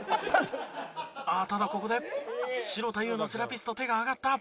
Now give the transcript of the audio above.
ただここで城田優のセラピスト手が挙がった。